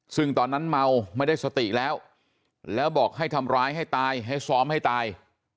ซึ่งตอนนั้นเมาไม่ได้สติแล้วแล้วบอกให้ทำร้ายให้ตายให้ซ้อมให้ตาย